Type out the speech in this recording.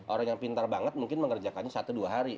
orang yang pintar banget mungkin mengerjakannya satu dua hari